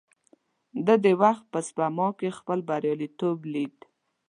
ده د وخت په سپما کې خپل برياليتوب ليد.